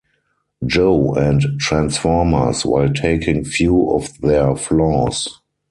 Joe" and "Transformers" while taking few of their flaws.